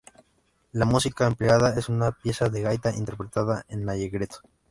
La música empleada es una pieza de gaita interpretada en "allegretto".